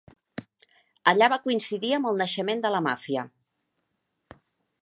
Allà va coincidir amb el naixement de la màfia.